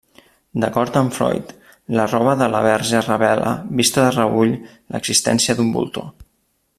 D'acord amb Freud, la roba de la Verge revela, vista de reüll, l'existència d'un voltor.